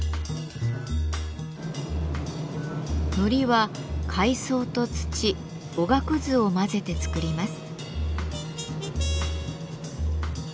糊は海藻と土おがくずを混ぜて作ります。